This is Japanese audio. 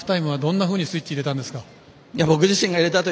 ハーフタイムはどんなふうにスイッチを入れたんですか？